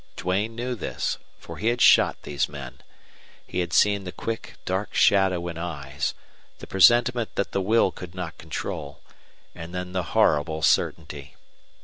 Duane knew this, for he had shot these men; he had seen the quick, dark shadow in eyes, the presentiment that the will could not control, and then the horrible certainty.